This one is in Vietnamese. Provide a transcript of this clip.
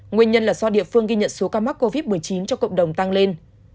nguyên nhân là do địa phương ghi nhận số ca mắc covid một mươi chín cho cộng đồng tăng lên